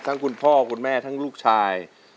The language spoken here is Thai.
คุณพ่อคุณแม่ทั้งลูกชาย